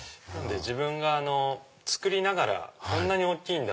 自分が作りながらこんなに大きいんだ！